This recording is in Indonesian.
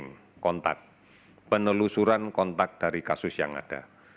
ini adalah kontak penelusuran kontak dari kasus yang ada